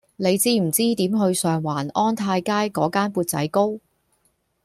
你知唔知點去上環安泰街嗰間缽仔糕